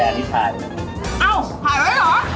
อ้าวถ่ายได้หรอ